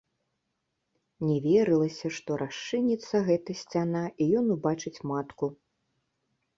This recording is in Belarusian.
Не верылася, што расчыніцца гэта сцяна і ён убачыць матку.